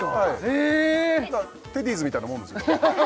へえはいテディーズみたいなもんです